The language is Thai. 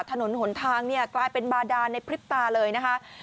ถนนหนทางเนี่ยกลายเป็นบาดานในพริบตาเลยนะคะ